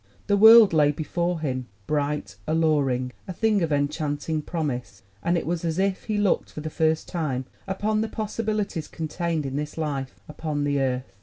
The world lay before him bright, alluring, a thing of enchanting promise, and it was as if he looked for the first time upon the possibilities contained in this life upon the earth.